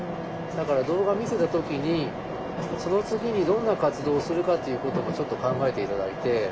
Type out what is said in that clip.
だから動画見せた時にその次にどんな活動をするかということもちょっと考えて頂いて。